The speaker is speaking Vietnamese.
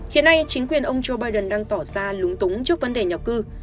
hiện nay chính quyền ông joe biden đang tỏ ra lúng túng trước vấn đề nhập cư